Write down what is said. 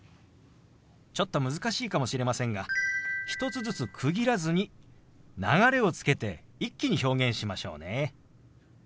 ちょっと難しいかもしれませんが１つずつ区切らずに流れをつけて一気に表現しましょうね。